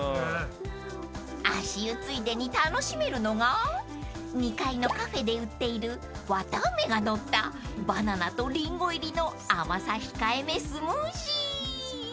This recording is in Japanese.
［足湯ついでに楽しめるのが２階のカフェで売っている綿あめがのったバナナとリンゴ入りの甘さ控えめスムージー］